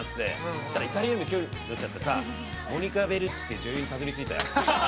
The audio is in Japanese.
そしたらイタリア人に興味持っちゃってさモニカ・ベルッチっていう女優にたどりついたよ。